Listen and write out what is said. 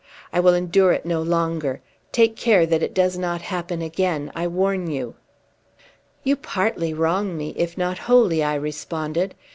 I will endure it no longer! Take care that it does not happen again! I warn you!" "You partly wrong me, if not wholly," I responded.